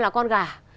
là con gà